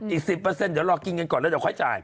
อีก๑๐เดี๋ยวเรากินกันก่อนแล้วค่อยจ่าย